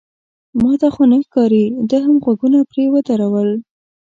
ما ته خو نه ښکاري، ده هم غوږونه پرې ودرول.